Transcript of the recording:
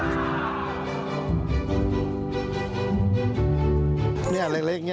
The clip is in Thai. นี่เล็กนี่๒๐